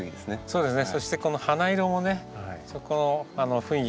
そうですね。